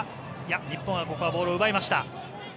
日本はここはボールを奪いました。